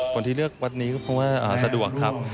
คนที่เลือกวัดนี้ก็เพราะว่าสะดวกครับ